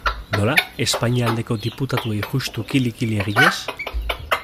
Nola, Espainia aldeko diputatuei juxtu kili-kili eginez?